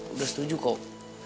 udah setuju kok